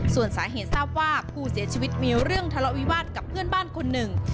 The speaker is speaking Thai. ส่วนสาเหตุทราบว่าผู้เสียชีวิตมีเรื่องทะเลาะวิวาสกับเพื่อนบ้านคนหนึ่ง